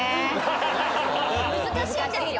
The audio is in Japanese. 難しいんですよ。